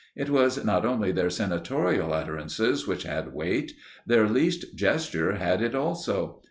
It was not only their senatorial utterances that had weight: their least gesture had it also.